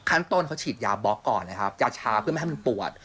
ขั้นต้นเขาฉีดยาบล็อกก่อนนะครับยาชาเพื่อไม่ให้มันปวด